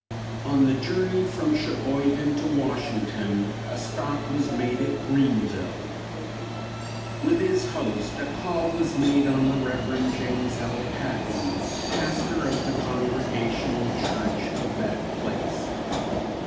On the journey from Cheboygan to Washington, a stop was made at Greenville. With his host, a call was made on the Rev. James L. Patton, pastor of the Congregational Church of that place.